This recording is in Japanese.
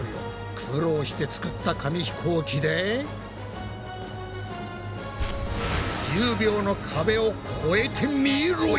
苦労して作った紙ひこうきで１０秒の壁を超えてみろや！